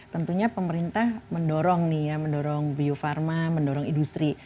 tentunya pemerintah mendorong nih ya mendorong biofarma mendorong industri